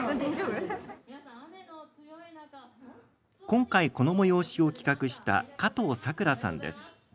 今回、この催しを企画した加藤さくらさんです。